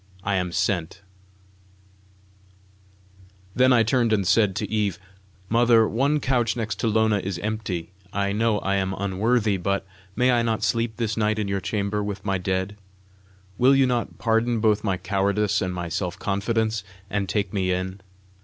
I AM SENT Then I turned and said to Eve, "Mother, one couch next to Lona is empty: I know I am unworthy, but may I not sleep this night in your chamber with my dead? Will you not pardon both my cowardice and my self confidence, and take me in?